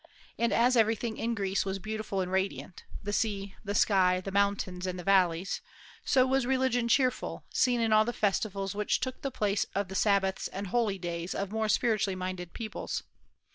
And as everything in Greece was beautiful and radiant, the sea, the sky, the mountains, and the valleys, so was religion cheerful, seen in all the festivals which took the place of the Sabbaths and holy days of more spiritually minded peoples.